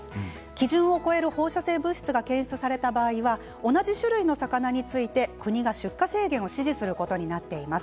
基準を超える放射性物質が検出された場合は同じ種類の魚について国が出荷制限を指示することになっています。